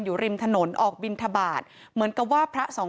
อยู่ริมถนนออกบินทบาทเหมือนกับว่าพระสอง